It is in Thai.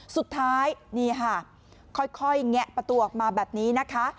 สุดท้ายนี่ค่ะค่อยแงะประตูออกมาแบบนี้นะคะ